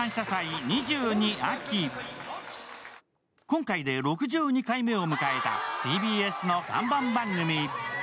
今回で６２回目を迎えたＴＢＳの看板番組。